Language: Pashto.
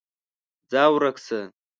ځه ورک شه!